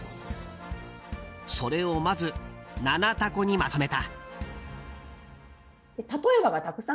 それをまず「ななたこ」にまとめた。